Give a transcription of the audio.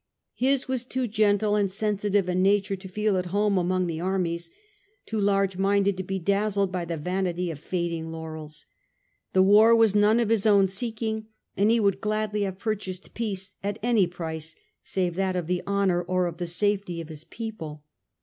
His was too gentle and distasteful sensitive a nature to feel at home among the ' armies : too large minded to be dazzled by the vanity of fading laurels. The war was none of his own seeking, and he would gladly have purchased peace at any price save that of honour or of the safety of his people.